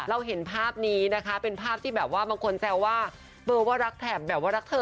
เราเห็นภาพนี้นะคะเป็นภาพที่แบบว่า